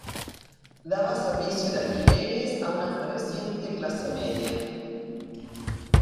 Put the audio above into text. Daba servicio de alquileres a una floreciente clase media.